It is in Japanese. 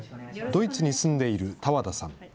ドイツに住んでいる多和田さん。